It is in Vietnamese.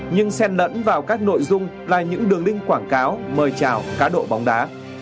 nhưng sen lẫn vào các nội dung là những đường link quảng cáo mời trào cá độ bóng đá